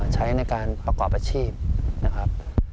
ใช้ในการประกอบอาชีพนะครับ